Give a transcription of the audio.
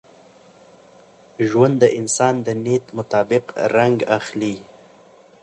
ژوند د انسان د نیت مطابق رنګ اخلي.